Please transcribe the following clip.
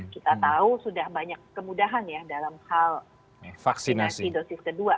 kita tahu sudah banyak kemudahan ya dalam hal vaksinasi dosis kedua